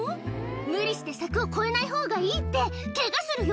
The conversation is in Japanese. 無理して柵を越えないほうがいいって、けがするよ。